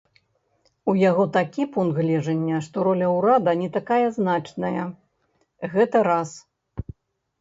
У яго такі пункт гледжання, што роля ўрада не такая значная, гэта раз.